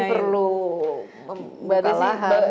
perlu membuka lahan